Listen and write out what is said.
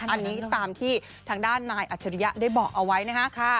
อันนี้ตามที่ทางด้านนายอัจฉริยะได้บอกเอาไว้นะฮะ